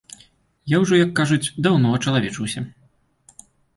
Я ўжо, як кажуць, даўно ачалавечыўся.